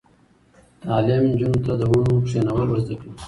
تعلیم نجونو ته د ونو کینول ور زده کوي.